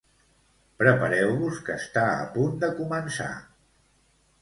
Prepareu-vos que està a punt de començar.